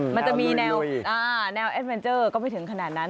มันจะมีแนวแอดเมนเจอร์ก็ไม่ถึงขนาดนั้น